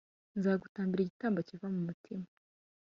Nzagutambira igitambo kiva mu mutima